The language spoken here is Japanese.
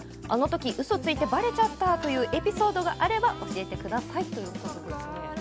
あのときうそをついてばれちゃったというエピソードがあれば教えてください。